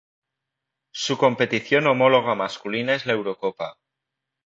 Su competición homóloga masculina es la Eurocopa.